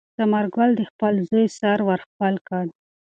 ثمر ګل د خپل زوی سر ور ښکل کړ.